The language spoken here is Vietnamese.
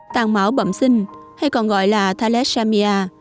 tăng máu bậm sinh hay còn gọi là thalesamia